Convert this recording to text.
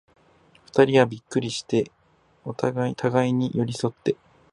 二人はびっくりして、互に寄り添って、